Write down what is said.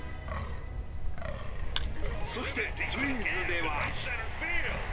そしてツインズでは。